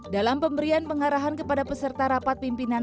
dalam pemberian pengarahan kepada peserta rapat pimpinan